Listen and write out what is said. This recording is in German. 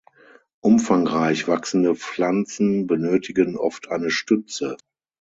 Umfangreich wachsende Pflanzen benötigen oft eine Stütze.